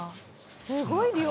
「すごい量」